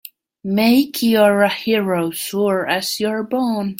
Make you're a hero sure as you're born!